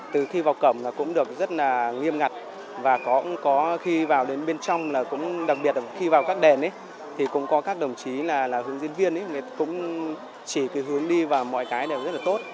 từ khi vào cổng là cũng được rất là nghiêm ngặt và cũng có khi vào đến bên trong là cũng đặc biệt là khi vào các đền thì cũng có các đồng chí là hướng dẫn viên cũng chỉ cái hướng đi và mọi cái đều rất là tốt